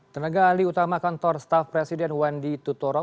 tenaga ahli utama kantor staff presiden wandi tutorong